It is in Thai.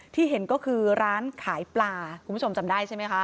ที่เห็นก็คือร้านขายปลาคุณผู้ชมจำได้ใช่ไหมคะ